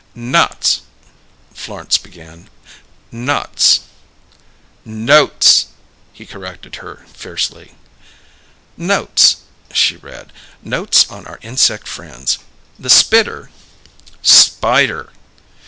"'Nots'," Florence began. "'Nots' " "Notes!" he corrected her fiercely. "'Notes'," she read. "'Notes on our inseck friends. The spidder '" "_Spider!